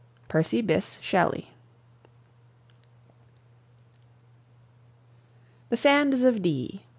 PERCY BYSSHE SHELLEY. THE SANDS OF DEE.